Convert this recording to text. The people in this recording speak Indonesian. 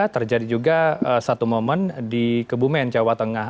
dua ribu dua puluh tiga terjadi juga satu momen di kebumen jawa tengah